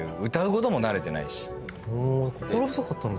心細かったんだ。